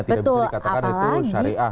tidak bisa dikatakan itu syariah